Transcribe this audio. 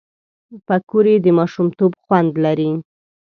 پکورې د ماشومتوب خوند لري